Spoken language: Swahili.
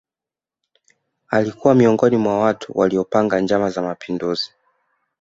Alikuwa miongoni mwa watu waliopanga njama za mapinduzi